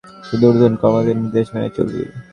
শুধু ঊর্ধ্বতন কর্মকর্তাদের নির্দেশ মেনে চলবি।